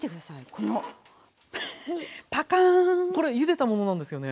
これゆでたものなんですよね？